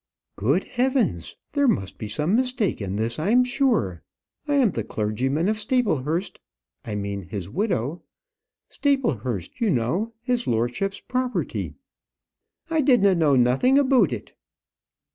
"Good heavens! There must be some mistake in this, I'm sure. I am the clergyman of Staplehurst I mean his widow. Staplehurst, you know; his lordship's property." "I didna know nothing aboot it."